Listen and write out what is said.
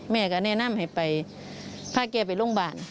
แม่ก็แนะนำให้ไปพาเกียร์ไปโรงบาล